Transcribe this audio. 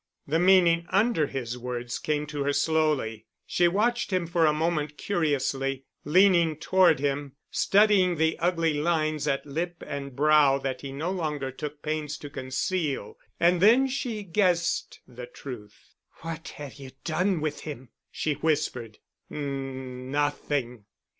The meaning under his words came to her slowly. She watched him for a moment curiously, leaning toward him, studying the ugly lines at lip and brow that he no longer took pains to conceal. And then she guessed at the truth. "What have you done with him?" she whispered. "N—nothing."